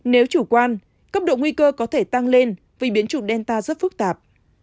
nếu chủ quan cấp độ nguy cơ có thể tăng lên vì biến trục delta rất phức tạp